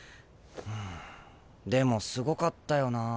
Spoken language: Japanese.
うんでもすごかったよなあ。